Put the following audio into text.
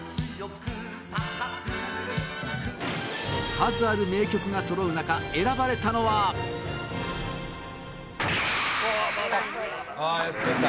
数ある名曲がそろう中選ばれたのは富澤：『マジンガー』だ！